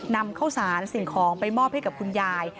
นำเข้าสารสิ่งของไปมอบให้กับคุณยาย